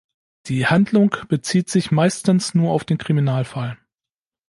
Die Handlung bezieht sich meistens nur auf den Kriminalfall.